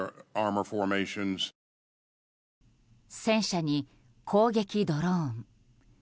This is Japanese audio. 戦車に攻撃ドローン。